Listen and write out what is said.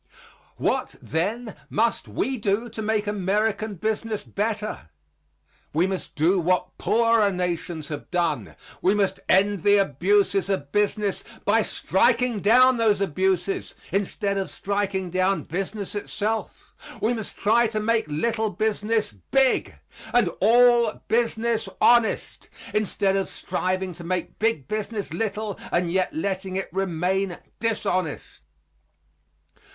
What, then, must we do to make American business better? We must do what poorer nations have done. We must end the abuses of business by striking down those abuses instead of striking down business itself. We must try to make little business big and all business honest instead of striving to make big business little and yet letting it remain dishonest.